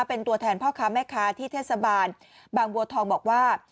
เป็นตัวแทนพ่อค้าแม่ค้าที่เทศบาลบางบัวทองบอกว่า